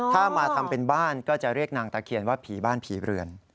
ถ้ามาทำเป็นบ้านก็จะเรียกนางตะเคียนว่าผีบ้านผีเรือน